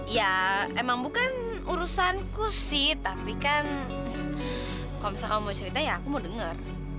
ya emang bukan urusan ku sih tapi kan kalau misalnya kamu mau cerita ya aku mau dengar